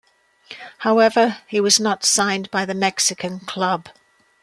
However, he was not signed by the Mexican club.